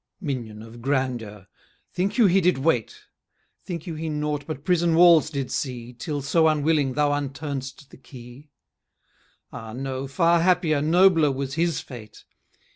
Minion of grandeur! think you he did wait? Think you he nought but prison walls did see, Till, so unwilling, thou unturn'dst the key? Ah, no! far happier, nobler was his fate!